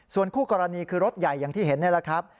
ส่วนคู่กรณีคือรถใหญ่อย่างที่เห็นนี่แหละครับ